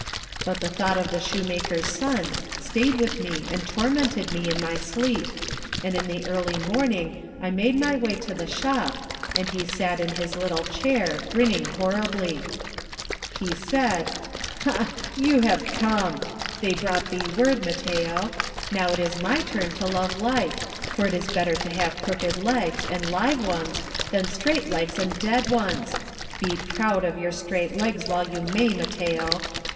But the thought of the shoemaker's son stayed with me and tormented me in my sleep, and in the early morning I made my way to the shop, and he sat in his little chair, grinning horribly. He said: "Ha! you have come. They brought thee word, Matteo. Now it is my turn to love life, for it is better to have crooked legs and live ones than straight legs and dead ones. Be proud of your straight legs while you may, Matteo."